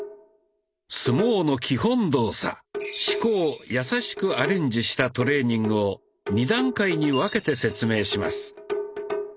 相撲の基本動作「四股」をやさしくアレンジしたトレーニングを２段階に分けて説明します。